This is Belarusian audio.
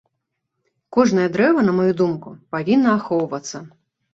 Кожнае дрэва, на маю думку, павінна ахоўвацца.